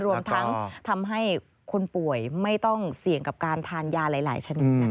รวมทั้งทำให้คนป่วยไม่ต้องเสี่ยงกับการทานยาหลายชนิดนะคะ